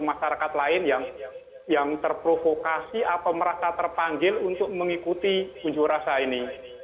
masyarakat lain yang terprovokasi atau merasa terpanggil untuk mengikuti unjuk rasa ini